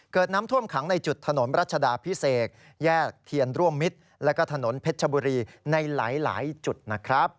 เกิดน้ำท่วมขังในจุดถนนรัชดาพิเศษแยกเทียนร่วมมิตรแล้วก็ถนนเพชรชบุรีในหลายจุดนะครับ